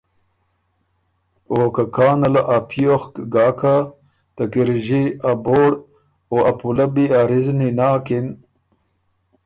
او که کانه له ا پیوخک ګاکه او ته کِرݫی ا بوړ او ا پُلبي رِزنی ناکِن۔